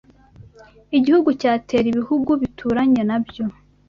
igihugu cyatera ibihugu bituranye na byo